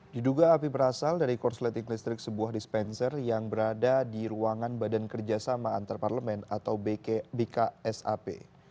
diduga api berasal dari korsleting listrik sebuah dispenser yang berada di ruangan badan kerjasama antarparlemen atau bksap